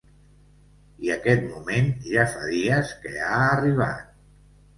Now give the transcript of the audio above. I aquest moment ja fa dies que ha arribat.